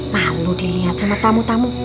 makhlu dilihat sama tamu tamu